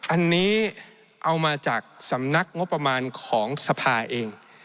อันนี้เอามาจากสำนักงบประมาณของสภาเอง